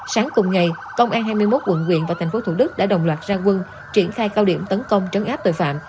sáng cùng ngày công an hai mươi một quận quyện và tp thủ đức đã đồng loạt ra quân triển khai cao điểm tấn công trấn áp tội phạm